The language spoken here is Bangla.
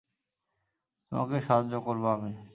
তোমাকে সাহায্য করবো আমি?